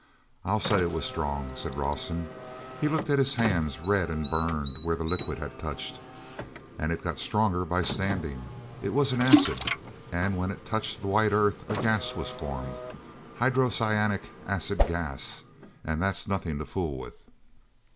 "I'll say it was strong!" said Rawson. He looked at his hands, red and burned where the liquid had touched. "And it got stronger by standing. It was an acid, and when it touched the white earth a gas was formed—hydrocyanic acid gas. And that's nothing to fool with."